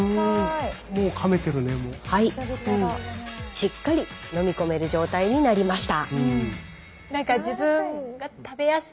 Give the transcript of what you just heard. しっかり飲み込める状態になりました。